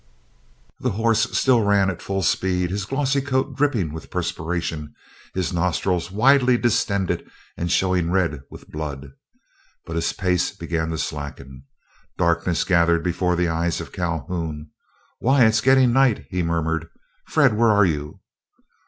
The horse still ran at full speed, his glossy coat dripping with perspiration, his nostrils widely distended and showing red with blood. But his pace began to slacken. Darkness gathered before the eyes of Calhoun. "Why, it's getting night," he murmured; "Fred, where are you?"